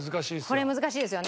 これ難しいですよね。